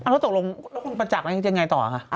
แล้วตกลงแล้วคุณประจักษ์ยังไงต่อคะ